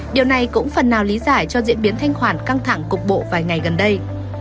điều này cũng phần nào lý giải cho diễn biến thanh khoản căng thẳng cục bộ vài ngày gần đây